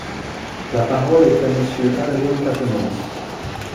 La parole est à Monsieur Adrien Quatennens.